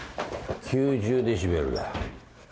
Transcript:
９０デシベルだ。